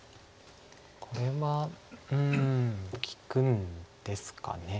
これはうん利くんですかね。